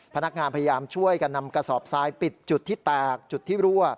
พนักงานพยายามช่วยกันนำกระสอบทรายปิดจุดที่แตกจุดที่รั่ว